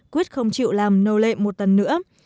quyết không chịu làm nô lệ một tần nữa